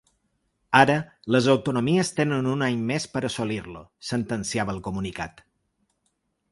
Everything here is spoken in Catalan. Ara, les autonomies tenen un any més per assolir-lo, sentenciava el comunicat.